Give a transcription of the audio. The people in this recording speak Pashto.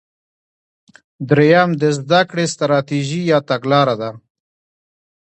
دریم د زده کړې ستراتیژي یا تګلاره ده.